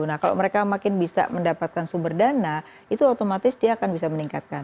nah kalau mereka makin bisa mendapatkan sumber dana itu otomatis dia akan bisa meningkatkan